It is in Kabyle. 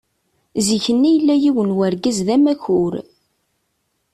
Zik-nni yella yiwen n urgaz d amakur.